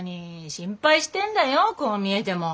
心配してんだよこう見えても。